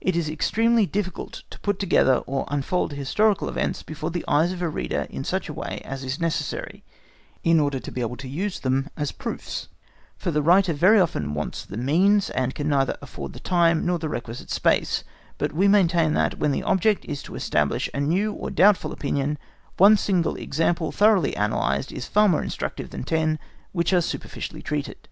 It is extremely difficult to put together or unfold historical events before the eyes of a reader in such a way as is necessary, in order to be able to use them as proofs; for the writer very often wants the means, and can neither afford the time nor the requisite space; but we maintain that, when the object is to establish a new or doubtful opinion, one single example, thoroughly analysed, is far more instructive than ten which are superficially treated.